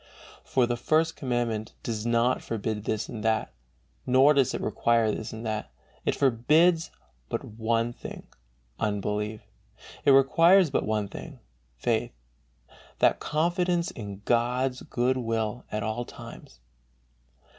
For the First Commandment does not forbid this and that, nor does it require this and that; it forbids but one thing, unbelief; it requires but one thing, faith, "that confidence in God's good will at all times."